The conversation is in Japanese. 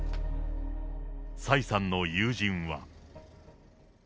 蔡さんの友人は。